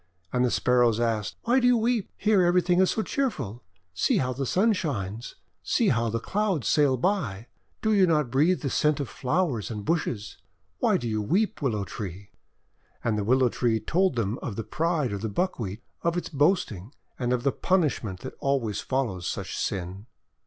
And the Sparrows asked: "Why do you weep? Here everything is so cheerful! See how the Sun shines. See how the Clouds sail by. Do you not breathe the scent of flowers and bushes? Why do you weep, Willow Tree ?': And the Willow Tree told them of the pride of the Buckwheat, of its boasting, and of the punishment that always follows such sin.